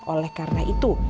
oleh karena itu